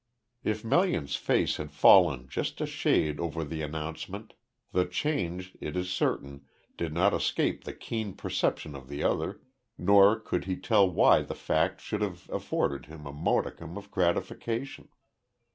If Melian's face had fallen just a shade over the announcement, the change, it is certain, did not escape the keen perception of the other, nor could he tell why the fact should have afforded him a modicum of gratification.